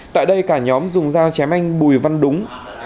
tại đây cả nhóm dùng dao chém anh bùi văn đúng